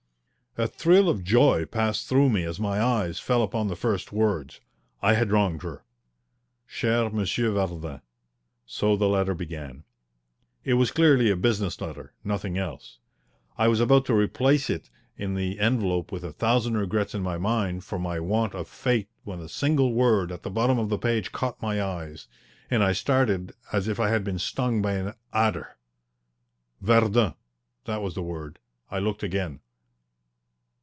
A thrill of joy passed through me as my eyes fell upon the first words. I had wronged her. "Cher Monsieur Vardin." So the letter began. It was clearly a business letter, nothing else. I was about to replace it in the envelope with a thousand regrets in my mind for my want of faith when a single word at the bottom of the page caught my eyes, and I started as if I had been stung by an adder. "Verdun" that was the word. I looked again.